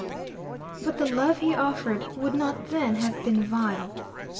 But the love he offered would not then have been vile.